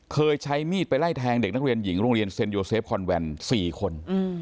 เคยใช้มีดไปไล่แทงเด็กนักเรียนหญิงโรงเรียนเซ็นโยเซฟคอนแวน๔คน